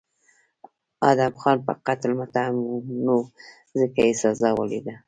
ادهم خان په قتل متهم و نو ځکه یې سزا ولیده.